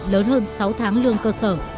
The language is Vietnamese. lớn hơn sáu tháng lương cơ sở